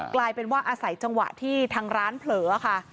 กลายเป็นว่าอาศัยจังหวะที่ทางร้านเผลอค่ะ